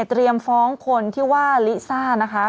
เตรียมฟ้องคนที่ว่าลิซ่านะคะ